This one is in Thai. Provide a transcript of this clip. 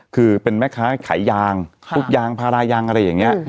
คือเป็นแม่ค้าขายยางทุกยางพารายางอะไรอย่างนี้